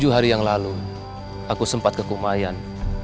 tujuh hari yang lalu aku sempat ke kumayan